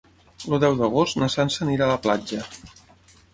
El deu d'agost na Sança anirà a la platja.